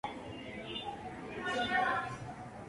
Su única esperanza ingenua es que gane la lotería nacional.